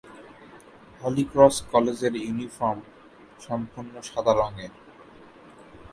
হলি Cross কলেজের uniform সম্পূর্ণ সাদা রঙের।